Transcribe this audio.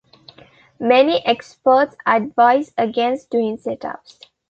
Many experts advise against doing sit-ups.